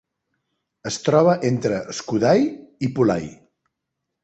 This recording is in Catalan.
Es troba entre Skudai i Pulai.